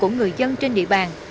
của người dân trên địa bàn